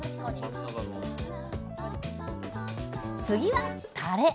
次はたれ。